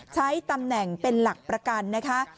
ใช้ตำแหน่งเป็นหลักประกันนะคะ